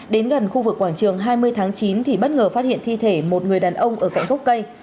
đến gần khu vực quảng trường hai mươi tháng chín thì bất ngờ phát hiện thi thể một người đàn ông ở cạnh gốc cây